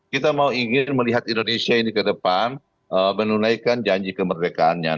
kita mau ingin melihat indonesia ini ke depan menunaikan janji kemerdekaannya